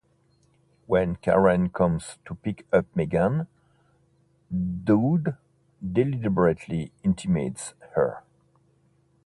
When Karen comes to pick up Megan, Doob deliberately intimidates her.